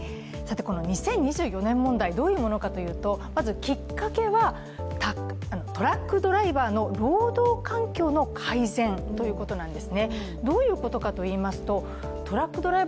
この２０２４年問題、どういうものかというときっかけはトラックドライバーの労働環境の改善ということなんです。